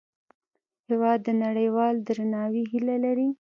هېواد د نړیوال درناوي هیله لري.